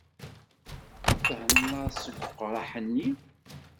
Thennaḍ seg weqraḥ-nni?